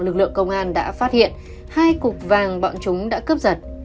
lực lượng công an đã phát hiện hai cục vàng bọn chúng đã cướp giật